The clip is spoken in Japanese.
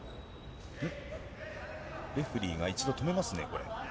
レフェリーが一度止めますね、これ。